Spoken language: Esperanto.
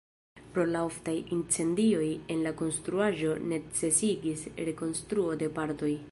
Pro la oftaj incendioj en la konstruaĵo necesigis rekonstruo de partoj.